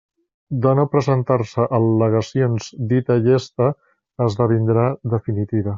De no presentar-se al·legacions dita llesta esdevindrà definitiva.